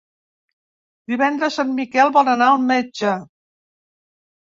Divendres en Miquel vol anar al metge.